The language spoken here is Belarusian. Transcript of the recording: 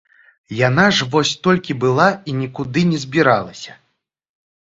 Яна ж вось толькі была і нікуды не збіралася?